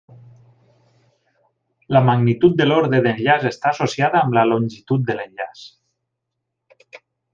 La magnitud de l'ordre d'enllaç està associada amb la longitud de l'enllaç.